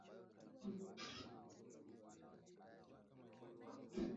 maambukizi ya ndigana bari yanavyoenezwa